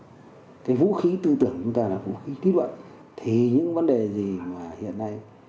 còn đang có những cái nhận thức truyền thống của chúng ta là vũ khí kỹ luận thì những vấn đề gì mà hiện nay